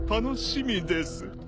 楽しみです。